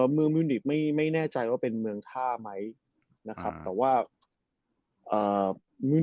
เมืองมิวนิคไม่แน่ใจว่าเป็นเมืองท่าไหมนะครับ